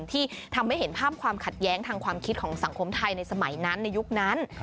ที่ทำให้เห็นภาพความขัดแย้งทางความคิดของสังคมไทยในสมัยนั้นในยุคนั้น